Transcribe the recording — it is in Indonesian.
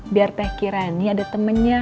biar teh kirani ada temennya